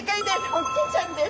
ホッケちゃんです。